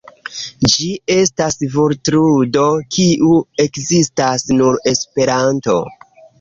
Ĝi estas vortludo kiu ekzistas nur en Esperanto.